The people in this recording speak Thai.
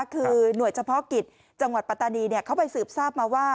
คือหน่วยเฉพาะกิจจังหวัดปัตตานีเขาไปสืบทราบมาว่า